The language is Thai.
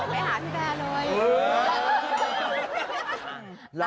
ไปหาพี่แบร์เลย